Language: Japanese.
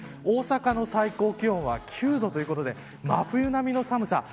大阪の最高気温は９度ということで真冬並みの寒さ。